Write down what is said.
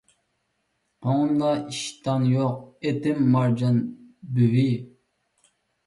قوڭۇمدا ئىشتان يوق، ئېتىم مارجان بۈۋى.